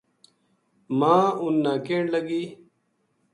ماں اُنھ نا کہن لگی